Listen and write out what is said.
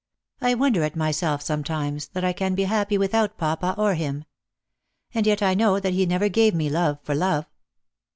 I wonder at myself some times, that I can be happy without papa or him. And yet I know that he never gave me love for love."